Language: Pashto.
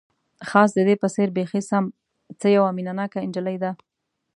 خاص د دې په څېر، بیخي سم، څه یوه مینه ناکه انجلۍ ده.